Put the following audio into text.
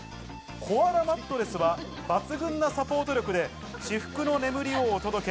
コアラマットレスは抜群なサポート力で、至福の眠りをお届け。